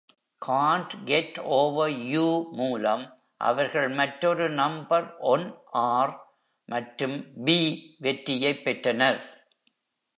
"Can't Get Over You" மூலம் அவர்கள் மற்றொரு நம்பர் ஒன் R மற்றும் B வெற்றியைப் பெற்றனர்.